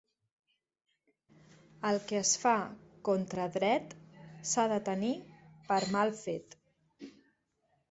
El que es fa contra dret s'ha de tenir per mal fet.